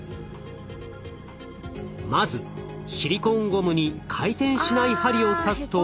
まずシリコーンゴムに回転しない針を刺すと。